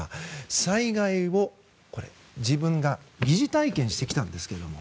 災害を自分が疑似体験して来たんですけれども。